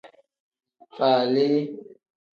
Falii.